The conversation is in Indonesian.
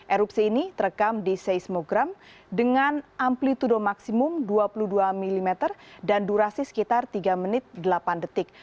erupsi ini terekam di seismogram dengan amplitude maksimum dua puluh dua mm dan durasi sekitar tiga menit delapan detik